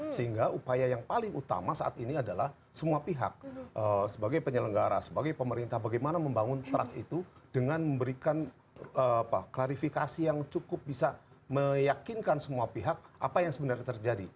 sehingga upaya yang paling utama saat ini adalah semua pihak sebagai penyelenggara sebagai pemerintah bagaimana membangun trust itu dengan memberikan klarifikasi yang cukup bisa meyakinkan semua pihak apa yang sebenarnya terjadi